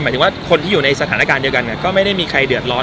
ถึงว่าคนที่อยู่ในสถานการณ์เดียวกันก็ไม่ได้มีใครเดือดร้อน